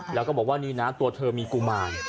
แล้วก็บอกว่านี่นะตัวเธอมีกุมาร